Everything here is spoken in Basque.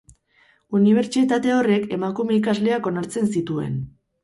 Unibertsitate horrek, emakume ikasleak onartzen zituen.